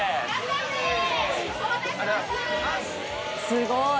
すごい